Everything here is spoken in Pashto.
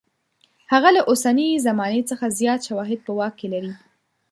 هغه له اوسنۍ زمانې څخه زیات شواهد په واک کې لري.